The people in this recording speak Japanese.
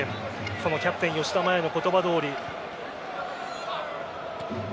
そのキャプテン・吉田麻也の言葉どおり。